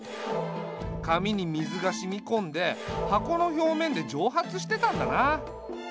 紙に水が染み込んで箱の表面で蒸発してたんだな。